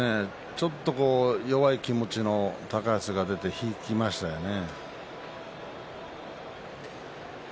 ちょっと弱い気持ちの高安が出て引きましたね。